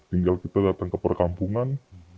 tinggal kita datang ke perkampungan